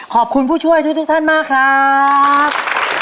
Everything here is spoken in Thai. ผู้ช่วยทุกท่านมากครับ